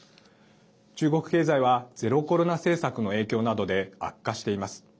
中国経済は、ゼロコロナ政策の影響などで悪化しています。